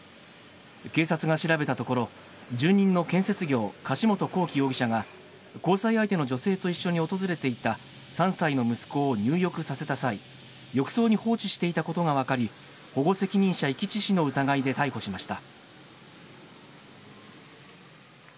警察が調べたところ、住人の建設業、柏本こうき容疑者が交際相手の女性と一緒に訪れていた３歳の息子を入浴させた際、浴槽に放置していたことが分かり、保護責任者遺棄致死の疑いで逮捕しました。